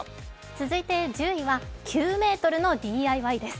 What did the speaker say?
続いて１０位は９ｍのＤＩＹです。